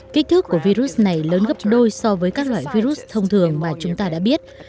kích thước của virus này lớn gấp đôi so với các loại virus thông thường mà chúng ta đã biết